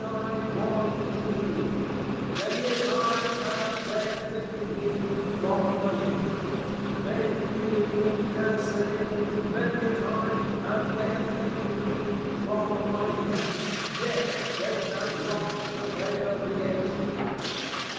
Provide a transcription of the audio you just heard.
_ _Many a time have they afflicted me, from my Youth, may +New England+ now say; many a time have they afflicted me from my Youth; yet they have not prevailed against me.